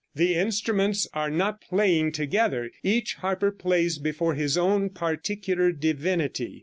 The instruments are not playing together; each harper plays before his own particular divinity.